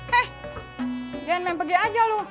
jangan main pergi aja lu